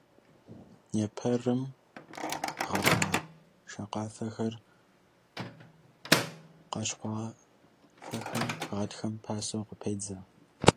Епэрым гъэгъа шакъафэхэр, къащхъуафэхэр гъатхэм пасэу къыпедзэ.